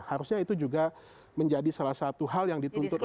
harusnya itu juga menjadi salah satu hal yang dituntut